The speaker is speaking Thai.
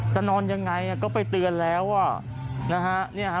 จะนอนยังไงอ่ะก็ไปเตือนแล้วอ่ะนะฮะเนี่ยฮะ